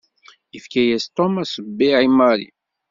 Yefka-yas Tom aṣebbiɛ i Mary.